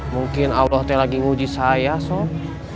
mungkin allah teh lagi nguji saya sob